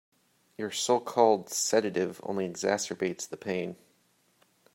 Your so-called sedative only exacerbates the pain.